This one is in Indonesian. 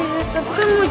ini kan juga buat